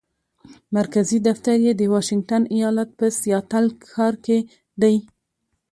مرکزي دفتر یې د واشنګټن ایالت په سیاتل ښار کې دی.